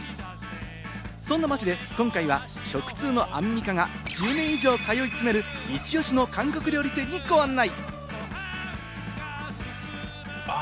そんな街で今回は食通のアンミカが１０年以上通いつめるイチオシの韓国料理店にご案内。